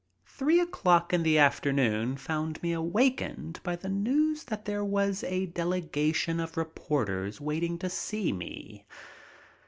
Three o'clock in the afternoon found me awakened by the news that there was a delegation of reporters waiting to see me.